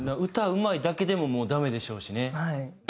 歌うまいだけでももうダメでしょうしね。